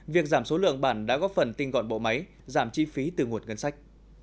việc giảm số lượng bản đã góp phần tinh gọn bộ máy giảm chi phí từ nguồn ngân sách